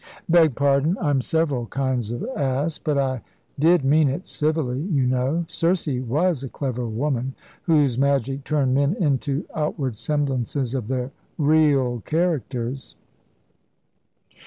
"Beg pardon. I'm several kinds of ass. But I did mean it civilly, you know. Circe was a clever woman, whose magic turned men into outward semblances of their real characters."